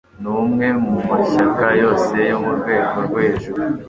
Ni umwe mu mashyaka yose yo mu rwego rwo hejuru.